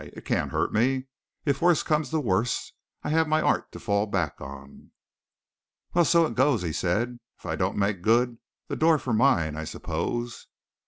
It can't hurt me. If worst comes to worst, I have my art to fall back on." "Well, so it goes," he said. "If I don't make good, the door for mine, I suppose?"